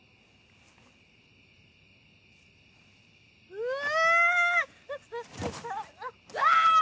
うわ‼